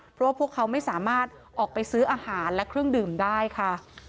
เพราะว่าพวกเขาไม่สามารถออกไปซื้ออาหารและเครื่องดื่มได้ค่ะ